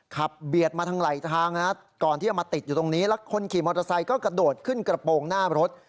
เบียดมาทางไหลทางก่อนที่จะมาติดอยู่ตรงนี้แล้วคนขี่มอเตอร์ไซค์ก็กระโดดขึ้นกระโปรงหน้ารถ